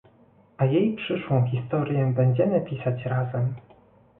A jej przyszłą historię będziemy pisać razem